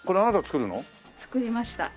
作りました。